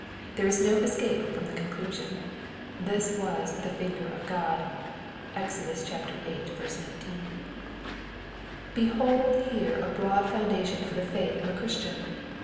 There is no escape from the conclusion. This was " the finger of Grod." (Exod. viii. 19.) Behold here a broad foundation for the faith of a Christian